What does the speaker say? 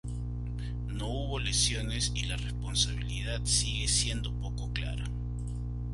No hubo lesiones y la responsabilidad sigue siendo poco clara.